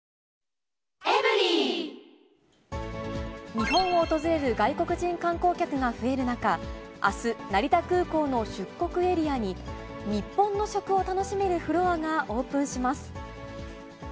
日本を訪れる外国人観光客が増える中、あす、成田空港の出国エリアに、日本の食を楽しめるフロアがオープンします。